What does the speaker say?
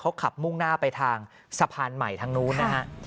เขาขับมุ่งหน้าไปทางสะพานใหม่ทางนู้นนะฮะ